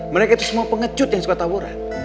mereka itu semua pengecut yang suka tawuran